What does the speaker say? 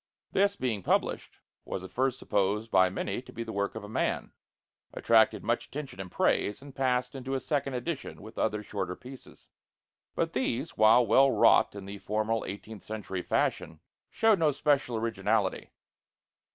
This, being published, was at first supposed by many to be the work of a man, attracted much attention and praise, and passed into a second edition with other shorter pieces. But these, while well wrought in the formal eighteenth century fashion, showed no special originality.